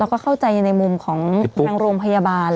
แล้วก็เข้าใจในมุมของทางโรงพยาบาล